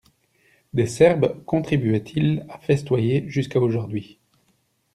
Des serbes contribuaient-ils à festoyer jusqu'à aujourd'hui?